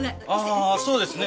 ああそうですね。